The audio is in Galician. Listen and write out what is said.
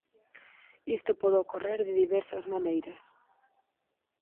Isto pode ocorrer de diversas maneiras.